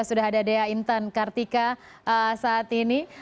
sudah ada dea intan kartika saat ini